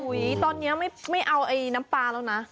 อุ้ยตอนนี้ไม่เอาน้ำปลาแล้วนะ